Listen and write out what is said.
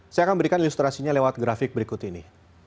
saya akan berikan ilustrasinya lewat grafik berikut ini